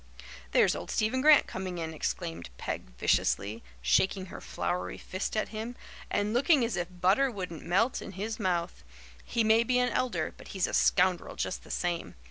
"There's old Stephen Grant coming in," exclaimed Peg viciously, shaking her floury fist at him, "and looking as if butter wouldn't melt in his mouth. He may be an elder, but he's a scoundrel just the same.